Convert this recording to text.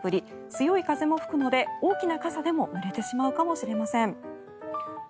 強い風も吹くので大きな傘でもぬれてしまうかもしれません。